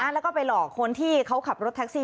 แล้วก็ไปหลอกคนที่เขาขับรถแท็กซี่